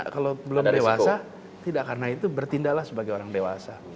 kalau belum dewasa tidak karena itu bertindaklah sebagai orang dewasa